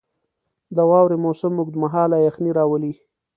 • د واورې موسم اوږد مهاله یخني راولي.